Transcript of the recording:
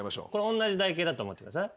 おんなじ台形だと思ってください。